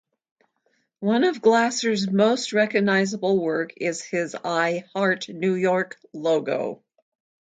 One of Glaser's most recognizable works is his I Heart New York logo.